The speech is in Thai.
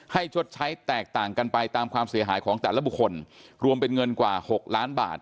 ชดใช้แตกต่างกันไปตามความเสียหายของแต่ละบุคคลรวมเป็นเงินกว่า๖ล้านบาท